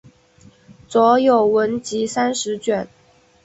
着有文集三十卷。